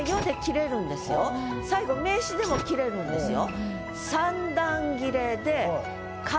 最後名詞でも切れるんですよ。